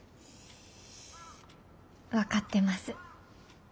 分かってます。